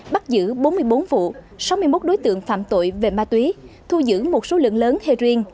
bắt giữ bốn mươi bốn vụ sáu mươi một đối tượng phạm tội về ma túy thu giữ một số lượng lớn heroin